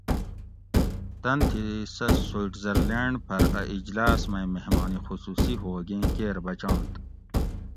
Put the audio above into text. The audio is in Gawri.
تن تھی سہۤ سوئٹزرلینڈ پھر اۤ اِجلاۤس مئ مہمان خصوصی ہوگیں کیر بچنت